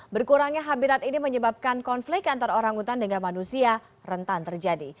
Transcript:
berkurangnya habitat ini menyebabkan konflik antara orang utan dengan manusia rentan terjadi